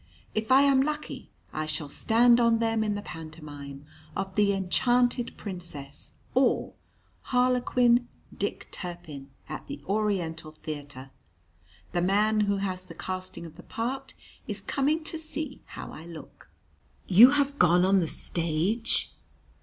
If I am lucky, I shall stand on them in the pantomime of The Enchanted Princess; or, Harlequin Dick Turpin, at the Oriental Theatre. The man who has the casting of the part is coming to see how I look." "You have gone on the stage?"